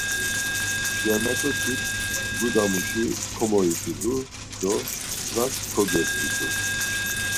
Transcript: Germaǩoçik gudamuşi komoyǩidu do gzas kogedgitu.